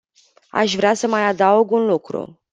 Aș vrea să mai adaug un lucru.